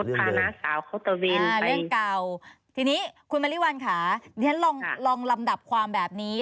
ทีนี้คุณเมริวัลค่ะอย่างนั้นลองลำดับความแบบนี้